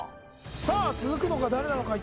さあ続くのが誰なのか？